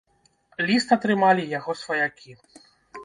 Ліст атрымалі яго сваякі.